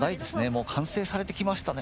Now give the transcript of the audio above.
もう完成されてきましたね。